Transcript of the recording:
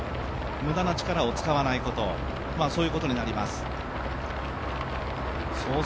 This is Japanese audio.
無駄な力を使わないということになります。